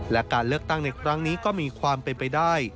และการเลือกตั้งในครั้งนี้ก็มีความเป็นไปได้